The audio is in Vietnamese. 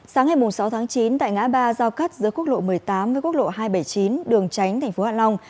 sáng ngày sáu tháng chín tại ngã ba giao cắt giữa quốc lộ một mươi tám với quốc lộ hai trăm bảy mươi chín đường tránh thành phố hạ long